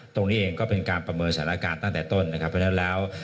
ตรงนี้เองก็เป็นการประเมินสถานการณ์ตั้งแต่ต้นนะครับเพราะฉะนั้นแล้ว